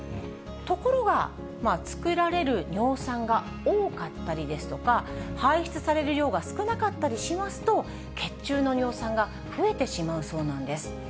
ところが、作られる尿酸が多かったりですとか、排出される量が少なかったりしますと、血中の尿酸が増えてしまうそうなんです。